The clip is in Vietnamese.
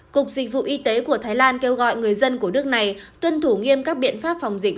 cục dịch vụ y tế của thái lan kêu gọi người dân của nước này tuân thủ nghiêm các biện pháp phòng dịch